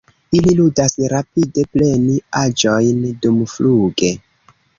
Ili ludas rapide preni aĵojn dumfluge.